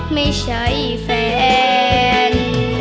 ไม่ใช่แฟน